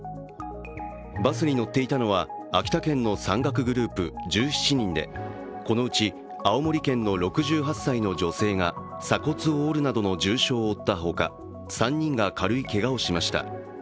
バスに乗っていたのは秋田県の山岳グループ１７人でこのうち青森県の６８歳の女性が鎖骨を折るなどの重傷を負ったほか３人が軽いけがをしました。